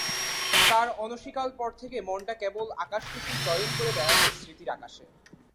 তার অনতিকাল পর থেকেই মনটা কেবল আকাশকুসুম চয়ন করে বেড়াচ্ছে স্মৃতির আকাশে।